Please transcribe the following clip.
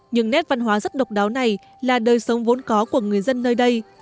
những nét văn hóa rất độc đáo này là đời sống vốn có của người dân nơi đây